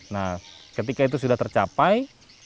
nah ketika itu sudah tercapai